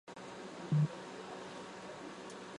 中华拟锯齿蛤为贻贝科拟锯齿蛤属的动物。